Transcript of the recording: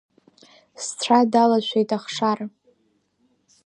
Сцәа далашәеит ахшара.